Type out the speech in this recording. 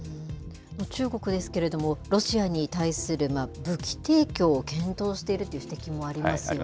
中国ですけれども、ロシアに対する武器提供を検討しているという指摘もありますよね。